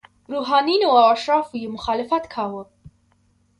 روحانینو او اشرافو یې مخالفت کاوه.